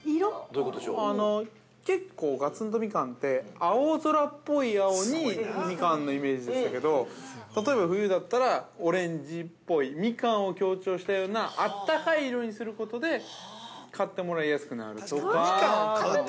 ◆結構ガツン、とみかんって、青空っぽい青にみかんのイメージでしたけど、例えば冬だったらオレンジっぽい、みかんを強調したような、あったかい色にすることで、買ってもらいやすくなるとか。